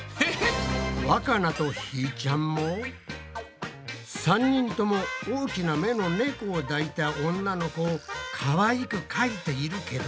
わかなとひーちゃんも３人とも大きな目の猫を抱いた女の子をかわいくかいているけど。